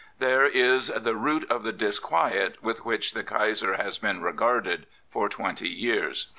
There is the root of the disquiet with which the Kaiser has been regarded for twenty years.